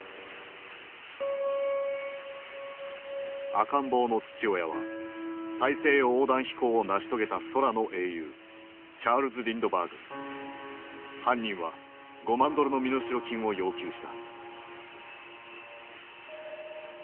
赤ん坊の父親は大西洋横断飛行を成し遂げた犯人は５万ドルの身代金を要求した。